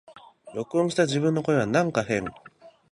録音した自分の声はなんか変